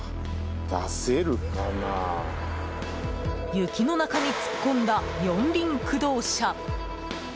雪の中に突っ込んだ四輪駆動車。